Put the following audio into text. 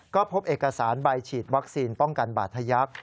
ก็พบเอกสารใบฉีดวัคซีนป้องกันบาดทะยักษ์